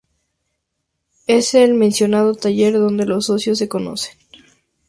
Es en el mencionado taller donde los socios se conocen.